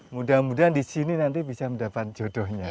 mudah mudahan di sini nanti bisa mendapat jodohnya